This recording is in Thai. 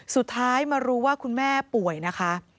สุดท้ายมารู้ว่าคุณแม่ป่วยนะคะ